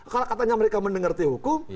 kalau katanya mereka mengerti hukum